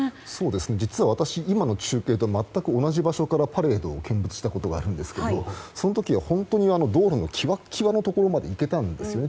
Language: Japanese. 実は私今の中継と全く同じ場所からパレードを見物したことがあるんですけれどその時は本当に道路のきわきわのところまで行けたんですね。